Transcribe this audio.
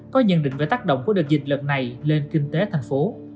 có nhận định về tác động của đợt dịch lần này lên kinh tế tp